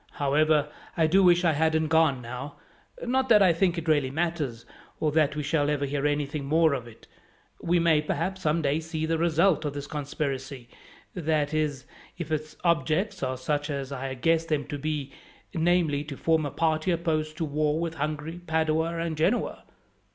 However, I do wish I hadn't gone now; not that I think it really matters, or that we shall ever hear anything more of it. We may, perhaps, some day see the result of this conspiracy, that is, if its objects are such as I guess them to be; namely, to form a party opposed to war with Hungary, Padua, or Genoa."